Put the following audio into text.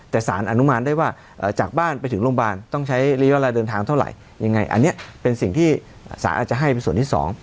แต่สารอนุมานได้ว่าจากบ้านไปถึงโรงพยาบาลต้องใช้ระยะเวลาเดินทางเท่าไหร่ยังไงอันนี้เป็นสิ่งที่ศาลอาจจะให้เป็นส่วนที่๒